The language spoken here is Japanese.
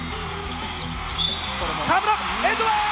河村、エンドワン。